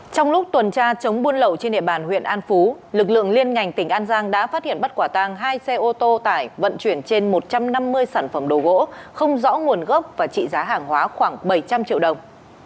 trong lúc tuần tra chống buôn lậu trên địa bàn huyện an phú lực lượng liên ngành tỉnh an giang đã phát hiện bắt quả tàng hai xe ô tô tải vận chuyển trên một trăm năm mươi sản phẩm đồ gỗ không rõ nguồn gốc và trị giá hàng hóa khoảng bảy trăm linh triệu đồng